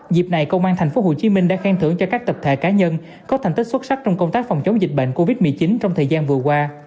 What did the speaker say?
dịp này công an tp hcm đã khen thưởng cho các tập thể cá nhân có thành tích xuất sắc trong công tác phòng chống dịch bệnh covid một mươi chín trong thời gian vừa qua